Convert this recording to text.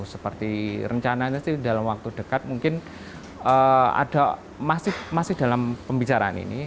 seperti rencananya sih dalam waktu dekat mungkin ada masih dalam pembicaraan ini